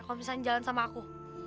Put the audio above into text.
kalau misalnya jalan sama aku